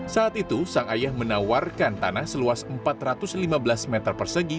saat itu sang ayah menawarkan tanah seluas empat ratus lima belas meter persegi